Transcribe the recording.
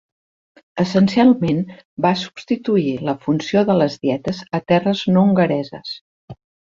Essencialment, va substituir la funció de les dietes a terres no hongareses.